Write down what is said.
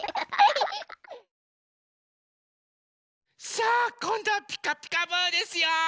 さあこんどは「ピカピカブ！」ですよ！